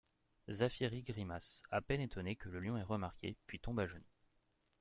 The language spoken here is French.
Zaphiri grimace, à peine étonné que le Lion ait remarqué, puis tombe à genoux.